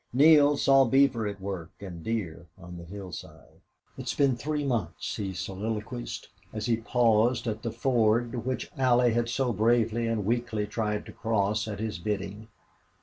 Neale saw beaver at work, and deer on the hillside. "It's been three months," he soliloquized, as he paused at the ford which Allie had so bravely and weakly tried to cross at his bidding.